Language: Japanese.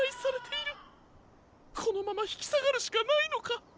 このままひきさがるしかないのか？